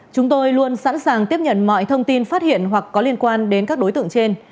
chúng tôi luôn sẵn sàng tiếp nhận mọi thông tin phát hiện hoặc có liên quan đến các đối tượng trên